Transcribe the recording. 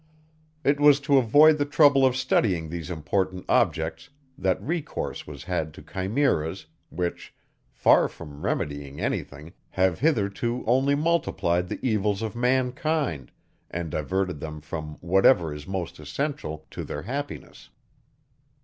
It was to avoid the trouble of studying these important objects, that recourse was had to chimeras, which, far from remedying any thing, have hitherto only multiplied the evils of mankind, and diverted them from whatever is most essential to their happiness.